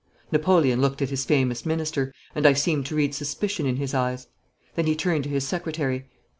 Napoleon looked at his famous minister, and I seemed to read suspicion in his eyes. Then he turned to his secretary.